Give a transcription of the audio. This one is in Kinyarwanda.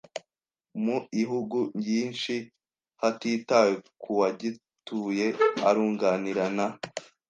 muihugu yinshi hatitawe kuagituye arunganirana